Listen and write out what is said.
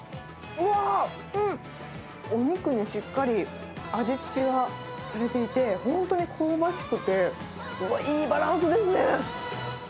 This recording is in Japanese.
うわー、お肉にしっかり味付けがされていて、本当に香ばしくて、いいバランスですね。